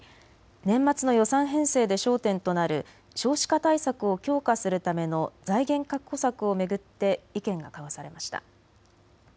年末の予算編成で焦点となる少子化対策を強化するための財源確保策を巡って意見が交わされました。